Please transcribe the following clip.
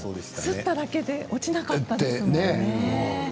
すっただけで落ちなかったですね。